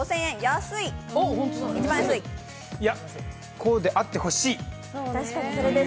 こうであってほしい。